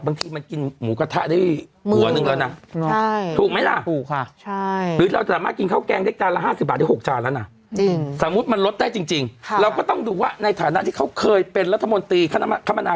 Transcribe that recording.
บางทีมันกินหมูกระทะได้๑๐๐๐๐มารึเปล่าน่ะ